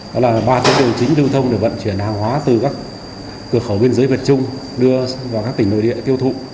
đó là ba tuyến đường chính lưu thông để vận chuyển hàng hóa từ các cửa khẩu biên giới việt trung đưa vào các tỉnh nội địa tiêu thụ